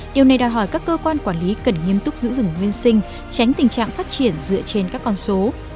điều này đòi hỏi các cơ quan quản lý cần nghiêm túc giữ rừng nguyên sinh tránh tình trạng phát triển dựa trên các con số